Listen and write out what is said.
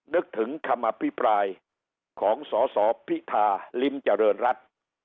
นึกถึงคำอภิปรายของสสพิธาลิ้มเจริญรัฐ